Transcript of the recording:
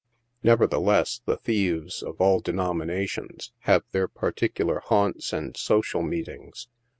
Nevertheless, the thieves, of all denominations, have their partic ular haunts and social meetings.